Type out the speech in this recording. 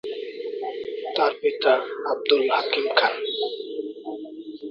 তার পিতা আবদুল হাকিম খান।